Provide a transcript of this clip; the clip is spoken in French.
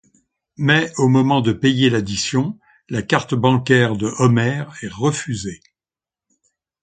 Mais au moment de payer l'addition, la carte bancaire de Homer est refusée.